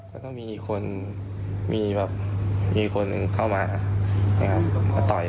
แล้วก็มีคนมีแบบมีคนเข้ามานะครับมาต่อย